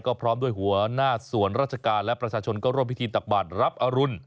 ก็พร้อมด้วยหัวหน้าส่วนราชการและประชาชนก็ร่วมพิธีตักบาทรับอรุณ